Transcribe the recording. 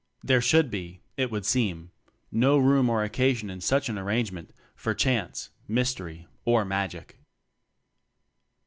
There should be, it would seem, no room or occasion in such an ar rangement, for chance, mystery or magic.